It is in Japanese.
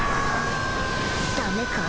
ダメか？